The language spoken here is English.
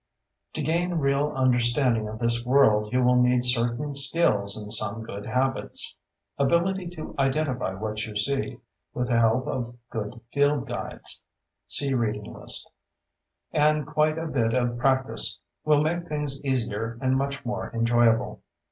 To gain real understanding of this world you will need certain skills and some good habits. Ability to identify what you see—with the help of good field guides (see reading list) and quite a bit of practice—will make things easier and much more enjoyable.